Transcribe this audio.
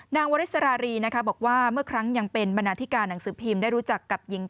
วริสรารีนะคะบอกว่าเมื่อครั้งยังเป็นบรรณาธิการหนังสือพิมพ์ได้รู้จักกับหญิง